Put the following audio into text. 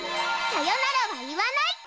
さよならは言わない！